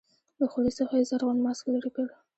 له خولې څخه يې زرغون ماسک لرې کړ.